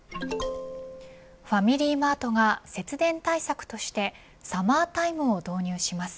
ファミリーマートが節電対策としてサマータイムを導入します。